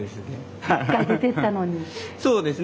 そうですね。